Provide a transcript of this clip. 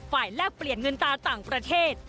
แลกเปลี่ยนเงินตาต่างประเทศ